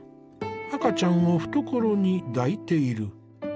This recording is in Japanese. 赤ちゃんを懐に抱いている。